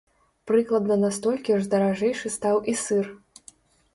Прыкладна на столькі ж даражэйшы стаў і сыр.